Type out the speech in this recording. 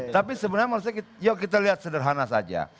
tapi sebenarnya yuk kita lihat sederhana saja